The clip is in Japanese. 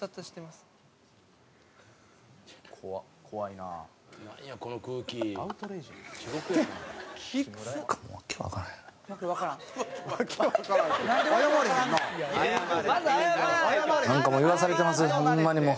なんかもう言わされてますホンマにもう。